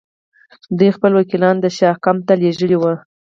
دوی خپل وکیلان د شاه کمپ ته لېږلي ول.